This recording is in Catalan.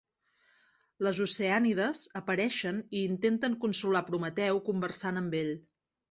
Les oceànides apareixen i intenten consolar Prometeu conversant amb ell.